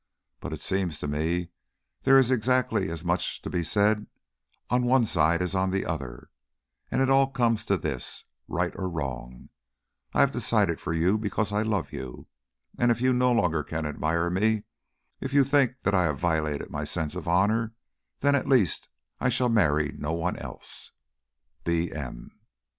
But it seems to me there is exactly as much to be said on one side as on the other, and it all comes to this: right or wrong, I have decided for you because I love you; and if you no longer can admire me, if you think that I have violated my sense of honour, then at least I shall marry no one else. B. M."